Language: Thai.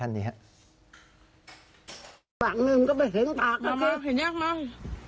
ปากหนึ่งก็ไม่เห็นปากมาเห็นยักษ์มั้ง